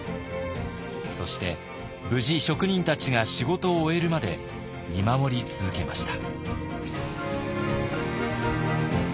そして無事職人たちが仕事を終えるまで見守り続けました。